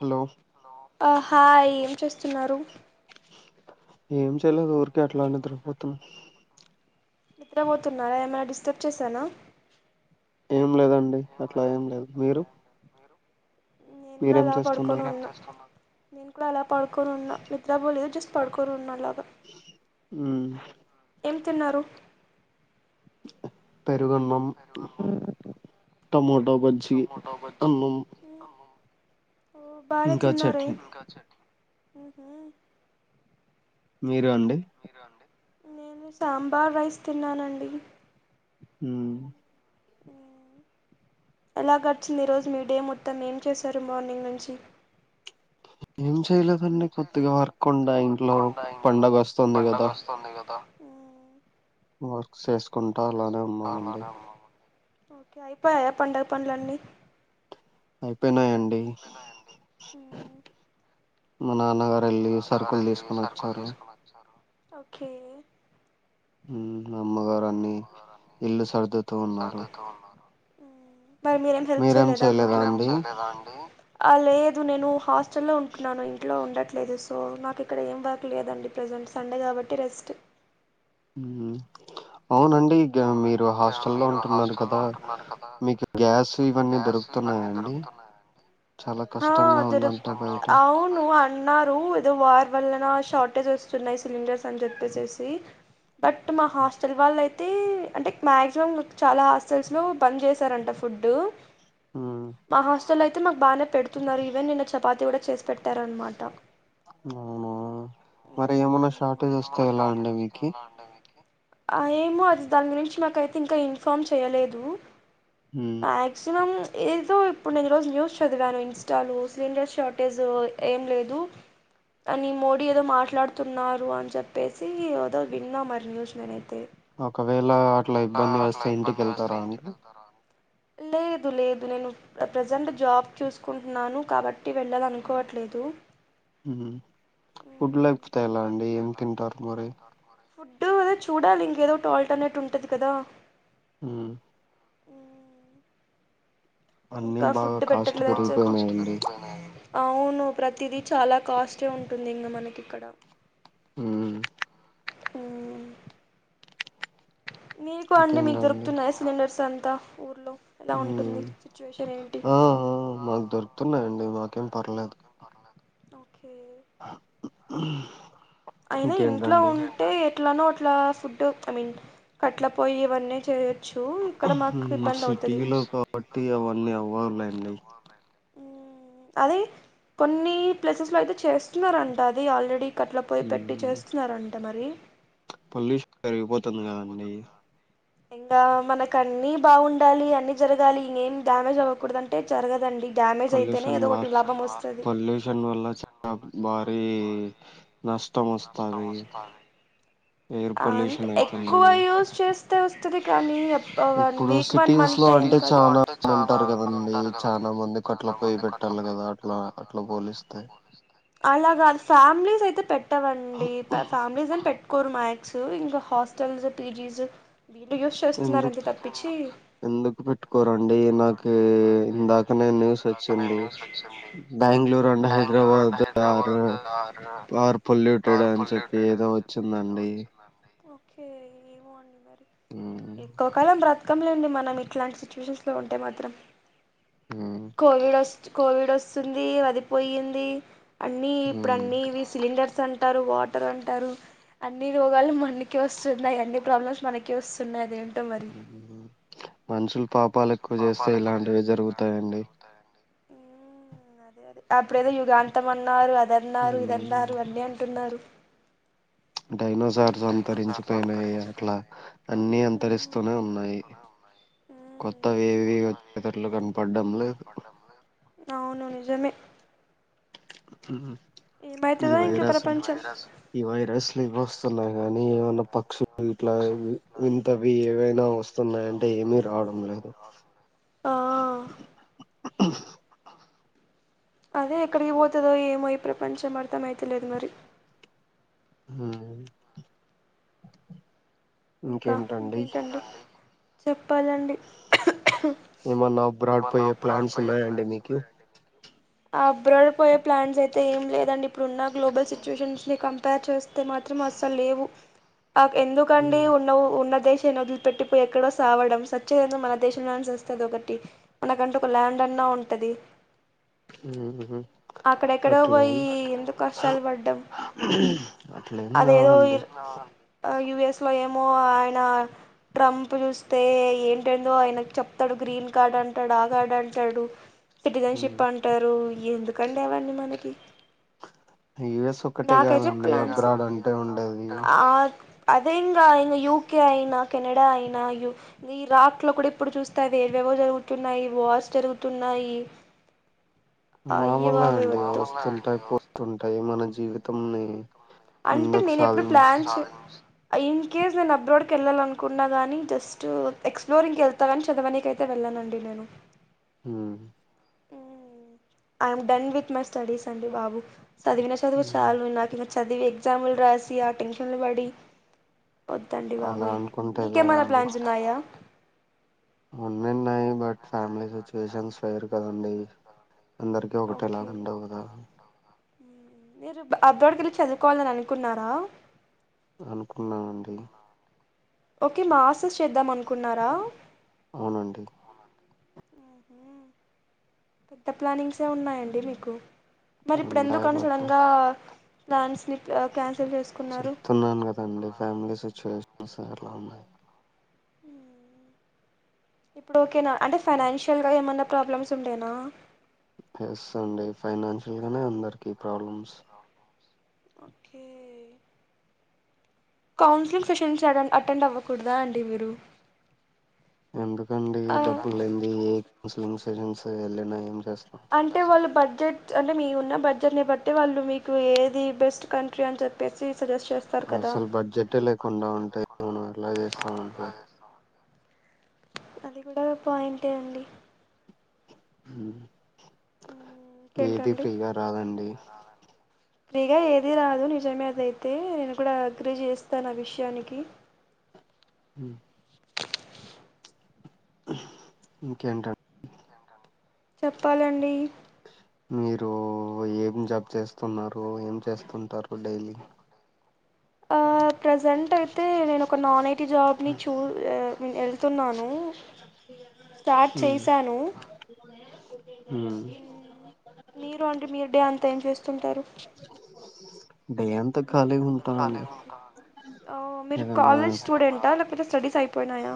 Hello ఆ hi ఏం చేస్తున్నారు ఏం చెయలెదు ఊర్ కే అట్లా నిద్ర పోతన్న నిద్రబోతున్నారా ఏమైనా డిస్టర్బ్ చేసానా ఏం లేదండి అట్లా ఏం లేదు మీరు నేను కూడా మీరేం అలా బడుకోని చేస్తున్నారు ఉన్నా నేను కూడా అలా పడుకొని ఉన్నా నిద్ర పోలేదు జస్ట్ పడ్కొని ఉన్న అలా ప ఉ ఏం తిన్నారు పెరుగన్నం టమోట్ ట బజ్జి అన్నం ఓ బానె ఇంకా తిన్నారె చట్నీ ఆహ మ అండి నేను సాంబార్ రైస్ తిన్నానండి హుమ్మ్ ఎలా గడిచింది ఈరోజు మీ డే మొత్తం ఏం చేశారు మార్నింగ్ నుంచి ఏం చెయ్య లేదు ఏం చేయలేదండి కొద్దిగా వర్క్కుండా ఇంట్లో పండగ వస్తుంది పండగ వస్తుంది కదా వర్క్ చేసుకుంటా అలానే ఉన్నామండి ఓకే అయిపోయాయా పండుగ పండ్లన్నీ అయిపోయినాయండి అయిపోయాయండి మా నాన్నగారు వెళ్ళి సరుకులు తీసుకుని వచ్చారు ఓకే అమ్మగారాన్నిీ ఇల్లు సర్దుతూ ఉన్నారు ఆ మరి మీరేమి హెల్ప్ మీరేం చేయలేద అమ్మకి చేయలేదా అండి లేదు నేను హాస్టల్లో ఉంటున్నాను ఇంట్లో ఉండట్లేదు సో నాకు ఇక్కడ ఏం వర్క్ లేదండి ప్రెసెంట్ సండే కాబట్టి రెస్ట్ అవునండి మీరు హాస్టల్ లో ఉంటున్నారు కదా మీకు గ్యాస్ ఇవన్నీ దొరుకుతున్నాయాండి చాలా హా కష్టంగా దొరు ఉందంట బయట అవును అన్నారు ఏదో వర్ వల్లన షార్టేజ్ వస్తున్నాయి సిలిండర్స్ అని చెప్పేసి బట్ మా హాస్టల్ వాళ్ళ అయితే అంటే మాక్సిమం చాలా హాస్టల్స్ లో బంద్ చేశారంట ఫుడ్ హ్మ్. మా హాస్టల్ పజలు అయితే మాకు బాగానే పెడుతున్నారు ఈవెన్ నిన్న చపాతి కూడా చేసి పెట్టారనమాట అవునా మరి ఏమన్నా షార్టేజ్ వస్తే లా అండి మీకు ఆ ఏమో అది దాని గురించి మాకైతే ఇంకా ఇన్ఫామ్ చేయలేదు హ్మ్. ఆ న ఏదో ఇప్పుడు నేను ఈరోజు న్యూస్ చదివాను ఇన్స్టాలు సిలిండర్ షార్టేజ్ ఏం లేదు అని మోడీ ఏదో మాట్లాడుతున్నారు అని చెప్పేసి ఏదో విన్నా మరి న్యూస్ నేనైతే ఒకవేళ అట్లా ఇబ్బంది వస్తే ఇంటిక వెళ్తారా అండి లేదు లేదు నేను ప్రజెంట్ జాబ్ చూసుకుంటున్నాను కాబట్టి వెళ్ళాలనుకోవట్లేదు ఫుడ్ లేకపోతే ఎలా ఉంది ఏం తింటారు మరి ఫుడ్డు అదే చూడాలి ఇంకోటి ఏదో ఒకటి ఉంటది కదా హ ఉ అన్నీ ఇంకా బాగా ఫుడ్ కాస్ట్ పెట్టట్లేదుని చెపి పెరిగిపోయినాయండి. అవును ప్రతిదీ చాలా కాస్ట్ ఉంటుంది ఇంగా మనకి ఇక్కడ ఉ ఉ మీకు అండి మీకు ఇంకేంటండి? దొరుకుతున్నాయి సిలిండర్స్ అన్నీ త ఊలో ఎలా ఉంటుంది హ్మ్. శిచ్వేషన్ ఏంటి ఆ! ఆ! మాకు దొరుకుతున్నాయండి. మాకేం ఏరుతున్నాడిదు ఓకే అ హు అయినా ఇంట్లో ఉంటే అట్లనో అట్లా ఫుడ్ ఐ మీన్ కట్ల పోయి ఇవన్నీ చే ఉ సిటీలో కాబట్టి అవన్న నేవేర్లేంది ఉ అది కొన్ని ప్లేసెస్ లో అయితే చేస్తున్నారంట అది ఆల్రెడీ కట్ల పొయి పెట్టి చేస్తున్నారంట మరి పల్లి పెరిగిపోతుంది కదండి ఇంకా మనక అన్ని బాగుండాలి అన్ని జరగాలిం డ్యామేజ్ అవ్వకూడద అంటే జరగదండి డ్యామేజ్ అయితేనే పొల్యూషన్ ఏదో ద ఒకటి లాభం వస్తది పొల్యూషన్ వల్ల చానా భారీ నష్టం వస్తాది ఎయిర్ అ పొల్యూషన్ ఎక్కువ అయితుంది యూజ చేస్తే వస్తుది కానీ వన్ ఇప్పుడు వీక్ వన్ సిటీస్ మంత్ లో అంటే చానా చ మంది ఉంటారు కదండి ఉంటారు కదండి చానా మందికి అట్లా చాలా పోయి మందికి అట్ల పెట్టాలి పోయి కదా పెట్టాల అట్లా కదా అట్లా పోలిస్తే అ అస్ అలా గాదు ఫ్యామిలీస్ అయితే పెట్ పయ్యావన్ అండి ఫ్యామిలీస్ ఏం పెట్ కుర్మయిట్ స్ ఇంకా హాస్టల్స్ పిజీస్ ఎందుకు ఎందుకు పెట్టుకోరండి నాకు ఇందాకనే న్యూస్ వచ్చింది Bengaluru and Hyderabad are are polluted అని చెప్పి ఏదో వచ్చిందండి ఓకే ఏమో అండి మరి హ్మ్ ఎక్కువ కాలం బ్రతకంలేండి మనం ఇట్లాంటి సిచ్యువేషన్స్లో ఉంటే మాత్రం హ్మ్ కోవిడ్ వస్ కోవిడ్ వోస్ వస్తుంది అదిపోయింది అన్నీ ఇప్పుడు అన్నీవి సిలిండర్స్ అన్ టారు వాటర్ అంటారు అన్ అన్ని రోగాలు మనకే వస్తున్నాయి అన్ని ప్రాబ్లమ్స్ మనకే వస్తున్నాది ఉ మనుషులు పాపాలు ఎక్కువ చేస్తే ఇలాంటివే జరుగుతాయండీ ఉ అదే అదే అప్పుడ ఏదో యుగాంతం అన్నారు అ అదన్నారు హ్మ్ ఇదన్నారు అన్నీ అంటున్నారు డైనోసార్స్ అంతరించిపోయినాయి అట్లా అన్ని అంతరిస్తూనే ఉన్నాయి కొత్తవి ఏవి వచ్చేటట్లు కనపడ్డం లేదు అవును నిజమే ఉహు ఈ ఏమైతదో వైరస్ ఈ వైరస్ వైరస్ ఇవి వస్తున్నాయి కానీ ఏమన్నా ఇట్లా పక్షులు వి- ఇట్లా వింతవి ఏవైనా వింతవి ఏవైనా వస్తున్నాయంటే ఏమీ వస్తున్నాయ అంటే రావడం ఏమి లేదు రావడం లేదు ఆ అదే ఎక్కడికి పోతదో ఏమో ఈ ప్రపంచం అర్థమయితలేదు మరి హు ఇంకా ఇంకేంటండి చెప్ ఏమన్నా అబ్రాడ్ పోయే ప్లాన్స్ ఉన్నాయండి మీకి అబ్రాడ్ పోయే ప్లాన్స్ అయితే ఏం లేదండి ఇప్పుడున్న గ్లోబల్ సిచ్యుయేషన్స్ ని కంపేర్ చేస్తే మాత్రం అస్సలు లేవు ఆ ఎందుకండి ఉన్న దేశాన్ని వదిలి పెట్టిపోయి ఎక్కడో సావడం సచ్చేది ఏందో మన దేశంలోనే చస్తే అది ఒకటి మనకంటూ ఒక ల్యాండ్ అన్నా ఉంటది ఉహు అక్కడెక్కడో పోయి అట్లేం ఎందుకు కష్టాలు పడ్డాం అట్లేం కాదండి యుఎస్లో ఏమో ఆయన ట్రంప్ చూస్తే ఎంటెంటో ఆయనకు చెప్తడు గ్రీన్ కార్డ్ అంటాడు ఆ కార్డు అంటాడు సిటిజన్షిప్ అంటారు ఎందుకండి అవన్ని మనకి నాకైతే యి ప్లాన్స్ అబ్రాడ్ అంటే ఉండది ఆ అదే ఇంగ ఇంగ యూకే అయినా కెనడా అయినా యు ఇరాక్ లో కూడా ఇప్పుడు చూస్తే అవేవేవో జరుగుతున్నాయి వార్స్ జరుగుతున్నాయి అయ్య మామూలే బాబోయ్ అండి వద్దు వస్తుంటాయి పోతుంటాయి మన జీవితం మీ అంటే నేను ఎప్పుడు ప్లాన్ చే ఇన్ కేస్ నేను అబ్రాోడ్కి వెళ్ళాలనుకున్నా కానీ జస్ట్ ఎక్స్ప్లోరింగ్కి వెళ్తా కాని చదవనికైతే వెళ్ళానండి నేను హు I'm done with my studies అండి బాబు సదివి సదువు చాలు నాకి నచ్ చదివి ఎగ్జాంలు రాసి ఆ టెన్షన్లు పడి వద్దండి అలా బాబోయ్ అనుకుంటే ఎలా మీకేమైనా ప్లాన్స్ ఉన్నాయా ఉన్ని ఉన్నాయి బట్ ఫ్యామిలీ సిచ్యుయేషన్స్ ఫయిరు కదండి అందరికీ ఓకే ఒకటేలాగా ఉండవు కదా మీరు అబ్రోడికి వెళ్ళి చదువుకోవాలని అనుకున్నారా అనుకున్నానండి ఓకే మాస్ టర్స్ చేద్దాం అకున్నారా అవునండి పెద్ద ప్లానింగ్సే ఉన్నాయండి మీకు మరి ఇప్పుడు ఎందుకు ఉంటాయి అని బట్ సడంగా లాన్స్ చెప్తున్నాను కదండి ఫ్యామిలీ సిచ్యువేషన్ ముసర్న్నా హహ ఇప్పుడు ఓకేనా అంటే ఫైనాన్షియల్ గా ఏమన్నా ప్రాబ్లమ్స్ ఉండేనా ప్లస్ అండి ఫైనాన్షియల్ గానే అందరికి problems okay counselling sessions uh attend అవ్వకూడదా అండి మీరు ఎందుకండి ఆ డబ్బులు లేంది ఏ కౌన్సిలింగ్ వెలినా ఏంచేస్తాం అంటే వాళ్ళు బడ్జెట్ అంటే మీ ఉన్న బడ్జెట్ ని బట్టి వాళ్ళు మీకు ఏది బెస్ట్ కంట్రీ అని చెప్పేసి సజెస్ట్ చేస్తారు కదా అసలు బడ్జెటే లేకుండా ఉంటాయి మనం ఎలా చేస్తా ఉంటాయి అది కూడా పాయింటే అండి హహ ఏది ఇంకేంటండి ఫ్రీగా రాదండి ఫ్రీగా ఏది రాదు నిజమే అదయితే నేను కూడా ఎగ్రీ చేస్తాను ఆ విషయానికి హ ఇంకెంటాం చెప్పాలండి మీరు ఏం జాబ్ చేస్త స్తున్నారు ఏం చేస్తుంటారు డైలీ ఆ ప్రజెంట్ అయితే నేను ఒక నాన్ ఐటీ జాబ్ని చూ వెళ్తున్నాను స్టార్ట్ చేశాను మీరు అండి మీరు డే అంత ఏం చేస్తుంటారు డే అంతా ఖాళీగా రోజంత్ ఉంటామండి కాలేజీకీ పోత ఓహ్ మీరు ఏదన్నా కాలేజీ స్టూడెంటా లేకపోతే స్టడీస్ అయిపోయినాయా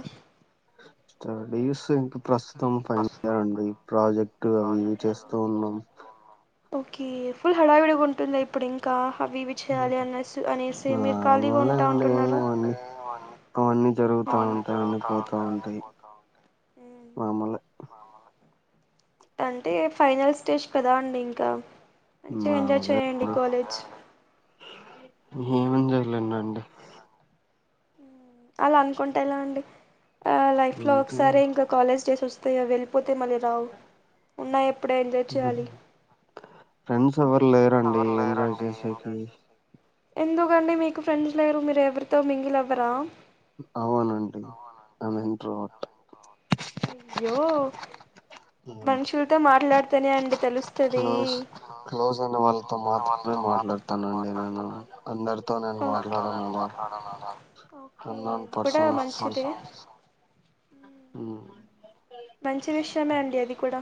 స్టడీస్ ఇంకా ప్రస్తుతం ఫైనల్ ఇయర్ అండి ప్రాజెక్ట్ అవి చేస్తూ ఉన్నాం ఓకే ఫుల్ హడావిడిగా ఉంటుందా ఇప్పుడు ఇంకా అవి ఇవి చేయాలి అనేసి అనేసి మీరు ఖాళీగా మామూలే ఉంటా ఉంటున్నారా జరుగుతూ ఉంటాయి అన్నీ పోతా ఉంటాయి మాములే అంటే ఫైనల్ స్టేజ్ కదా అండి ఇంకా మంచిగా ఎంజాయ్ మామూలే చేయండి కాలేజ్ ఏమం చేయలేన్నాండి అలా అనుకుంటేలా అండి ఆ లైఫ్ లో అంతే ఒకసారి ఇంకా కాలేజ్ డేస్ వస్తుంది వెళ్ళపో ఎంజాయ్ చేయాలి ఫ్రెండ్స్ ఎవరు లేరండి ఎంజాయ్ చేసేకి ఎందుకండి మీకు ఫ్రెండ్స్ లేరు మీరు ఎరితో మింగిల్ అవ గ్రామ్ అవునండి ఆమె ఎంత టోట్ అయ్యో మనుషులతో మాట్లాడుత సని అండి తెలుస్తది క్లోజ్ క్లోజ్ అయిన వాళ్ళతో మాత్రమే మాట్లాడతానండి నేను అందరితో నేను మాట్లాడను అలా ఓకే అన్నోన్ అది కూడా పర్సన్స్ మంచిదే ఉ అ మంచి విషయమే అండి అది కూడా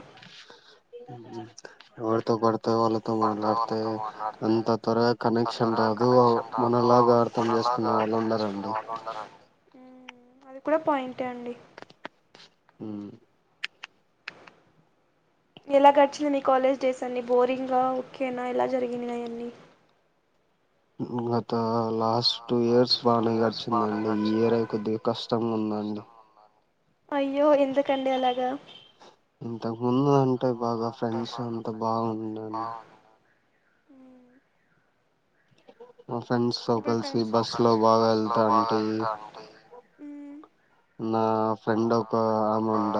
తో పడతా వాళ్ళతో మాట్లాడతా అంత త్వరగా కనెక్షన్ రాదు మనలాగా అర్థం చేసుకునే వాళ్ళు ఉండారంండి అది కూడా పాయింట్ ఏ అండి హ ఎలా గడిచింది నీ కాలేజ్ డేస్ అన్నిబోరింగ్గా ఓకేనా ఎలా జరిగినాయి అన్నీ ఉ అ ఇంత లాస్ట్ టూ ఇయర్స్ బాగానే గచ్చిందండి ఈ ఇయర్ై కొద్దిగా కష్టంగా ఉందండి అయ్యో ఎందుకండి అలాగా ఇంతకు ముందు అంటే బాగా ఫ్రెండ్స్ అంత బాగుండండి అ మా ఫ్రెండ్స్ తో కలిసి బస్ లో బాగాళ్తా అంటే ఉమ్ నా ఫ్రెండ్ ఒక ఆమె ఉండ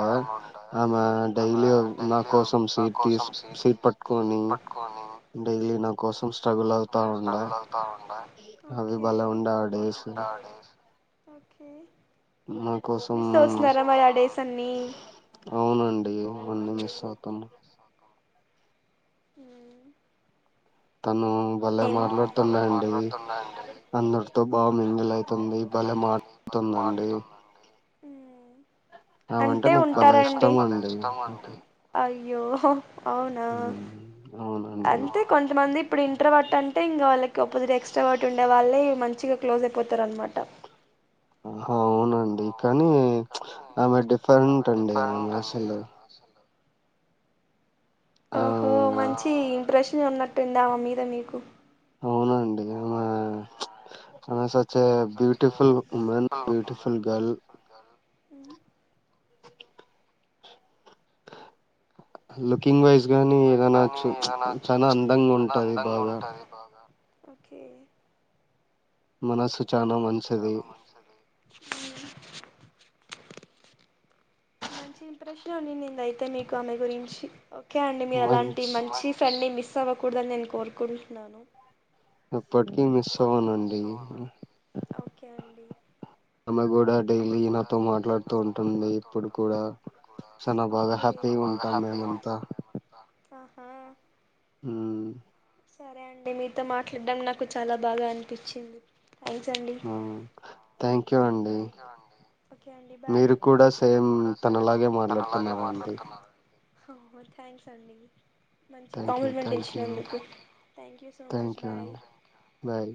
ఆమె డైలీ నా కోసం సీట్ తీ సీట్ పట్టుకొని డైలీ నా కోసం స్ట్రగుల్ అవుతా ఉండ అవి ఓకే బలే ఉండ ఆ డేస్ ఒకే ఆ కోసం డేస్ అన్నీ అవునండి ఇవన్నీ మిస్ అవుతాము అ తను భలే మాట్లాడుతున్నా అండి అందరితో బాగా మింగిల్ అవుతుంది భలే మాట్లాడుతుందండి అ ఆమంటే అంటే నాకు భలే ఉంటారంండి ఇష్టం అండి అ అయ్యో అవునా అవును అంతే కొంతమంది ఇప్పుడు ఇంట్రె వట్టంటే ఇంకా వాళకి ఒక పది ఎక్స్ట్రా ఒకట్టి ఉండే వాళ్ళే మంచి మంచిగా క్లోజ్ అయిపోతారనమాట అవునండి కానీ ఆమే డిఫరెంట్ అండి అమే అసలు ఆ ఓహో మంచి ఇంప్రెషన్ ఉన్నట్టుంది ఆమె మీద మీకు అవునండి ఆమె ఆ సచ్ ఏ ఆమె such a beautiful woman beautiful beautiful woman girl beautiful girl uh looking wise గాని ఏదనా చ చాలా అందంగా ఉంటది బాగా ఓకే మనసు చానా మంచిది మంచి ఇంప్రెషన్ ఉంది అయితే మీకు ఆమె గురించి ఓకే అండి మీ అలాంటి మంచి ఫ్రెండ్ ని మిస్ అవ్వకూడదని నేను కోరుకుంటున్నాను ఎప్పటికీ మిస్ అవ్వనండి ఒకే అండి ఆమె కూడా డైలీ నాతో మాట్లాడుతూ ఉంటుంది ఇప్పుడు కూడా చానా బాగా ఒకే హ్యాపీగా ఉంటాం మేమంతా ఆహా హ్మ్ సరే అండి మీతో మాట్లాడడాం నాకు నకు చాలా బాగా అనిపించింది థ్యాంక్స్ అండి థ్యాంక్ యూ అండి ఓకే అండి బాయ్ మీరు కూడా సేమ్ తనలాగే మాట్లాడుతున్నారఅండి థ్యాంక్స్ అండి మంచి థ్యాంక్ యూ కాంప్లిమెంట్ థ్యాంక్ ఇచ్చినా యూ మీకు thank you so much thank you bye అండి బాయ్